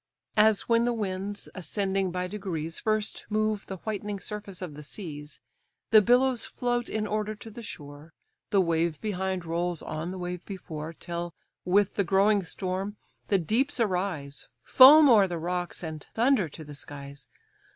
As when the winds, ascending by degrees, First move the whitening surface of the seas, The billows float in order to the shore, The wave behind rolls on the wave before; Till, with the growing storm, the deeps arise, Foam o'er the rocks, and thunder to the skies.